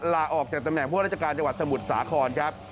ลาออกจากตำแหน่งผู้ราชการจังหวัดสมุทรสาครครับ